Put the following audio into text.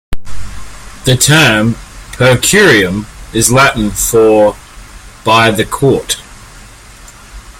The term "per curiam" is Latin for "by the court.